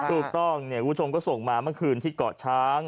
ถูกต้องเนี่ยคุณผู้ชมก็ส่งมาเมื่อคืนที่เกาะช้าง